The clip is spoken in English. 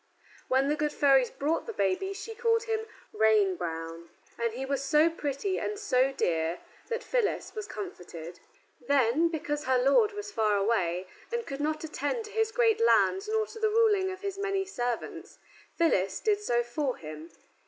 When the good fairies brought the baby she called him Reinbroun, and he was so pretty and so dear that Phyllis was comforted. Then, because her lord was far away, and could not attend to his great lands nor to the ruling of his many servants, Phyllis did so for him.